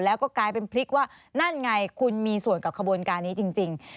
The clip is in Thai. แล้วก็กลายเป็นพลิกว่านั่นไงคุณมีส่วนกับขบวนการนี้จริง